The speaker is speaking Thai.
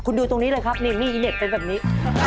คุณดูตรงนี้เลยครับนี่มี่อีเน็ตเป็นแบบนี้